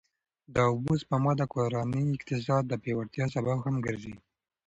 د اوبو سپما د کورني اقتصاد د پیاوړتیا سبب هم ګرځي.